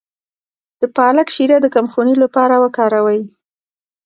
د پالک شیره د کمخونۍ لپاره وکاروئ